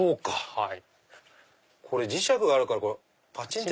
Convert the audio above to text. はい。